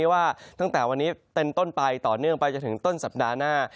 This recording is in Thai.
ว่าตั้งแต่วันนี้เป็นต้นไปต่อเนื่องไปจนถึงต้นสัปดาห์หน้า